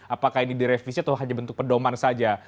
apakah ini direvisi atau hanya bentuk pedoman saja